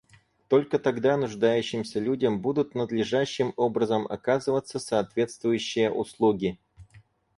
Только тогда нуждающимся людям будут надлежащим образом оказываться соответствующие услуги.